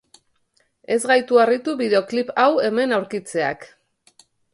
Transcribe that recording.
Ez gaitu harritu bideoklip hau hemen aurkitzeak.